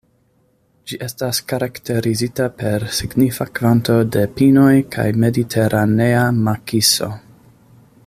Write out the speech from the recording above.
Ĝi estas karakterizita per signifa kvanto de pinoj kaj mediteranea makiso.